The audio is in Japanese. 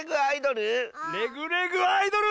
「レグ・レグ・アイドル」？